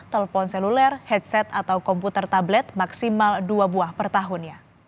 telepon seluler headset atau komputer tablet maksimal dua buah per tahunnya